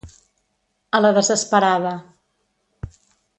A la desesperada.